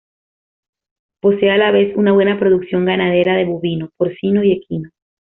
Posee a la vez una buena producción ganadera, de bovino, porcino y equino.